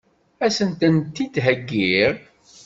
Ad sent-tent-id-heggiɣ?